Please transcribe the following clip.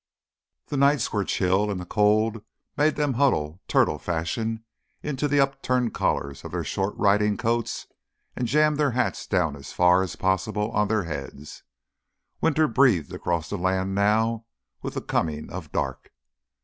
The nights were chill and the cold made them huddle turtle fashion into the upturned collars of their short riding coats and jam their hats down as far as possible on their heads. Winter breathed across the land now with the coming of dark.